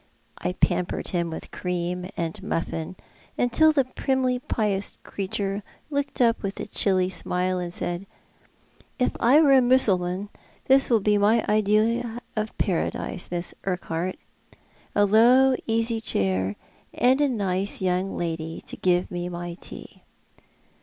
I pampered him with cream and muffin, until the primly pious creature looked up with a chilly smile and said, "If I were a Mussulman this would be my idea of Paradise, Miss Urquhart. A low, easy chair, and a nice young lady to give me my tea."